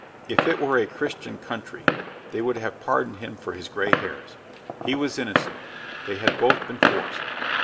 If it were a Christian country, they would have pardoned him for his gray hairs. He was innocent they had both been forced.